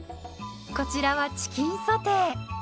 こちらはチキンソテー。